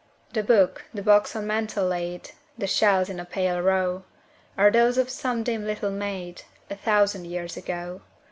The book, the box on mantel laid, The shells in a pale row, Are those of some dim little maid, A thousand years ago.